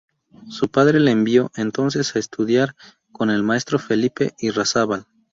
Su padre le envió entonces a estudiar con el maestro Felipe Irrazábal.